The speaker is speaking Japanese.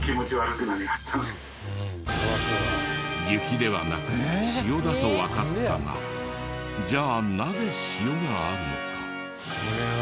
雪ではなく塩だとわかったがじゃあなぜ塩があるのか？